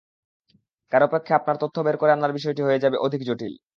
কারও পক্ষে আপনার তথ্য বের করে আনার বিষয়টি হয়ে যাবে অধিক জটিল।